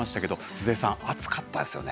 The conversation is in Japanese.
鈴江さん暑かったですよね。